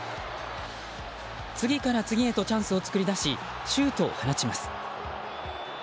次から次へとチャンスを作り出しシュートを放ちます。